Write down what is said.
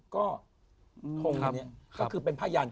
ก็โฮมตัวเนี่ยก็คือเป็นพยาน